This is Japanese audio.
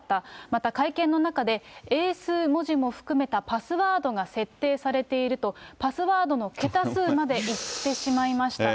また会見の中で、英数文字も含めたパスワードが設定されていると、パスワードの桁数まで言ってしまいました。